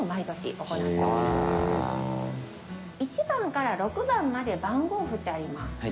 １番から６番まで番号振ってあります。